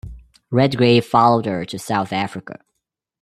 Redgrave followed her to South Africa.